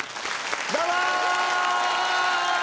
どうも！